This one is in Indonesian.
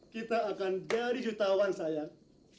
kita akan jadi jutawan sayang